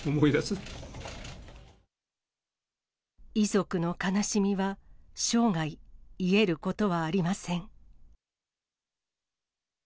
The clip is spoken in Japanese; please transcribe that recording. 遺族の悲しみは生涯、癒えることはありません。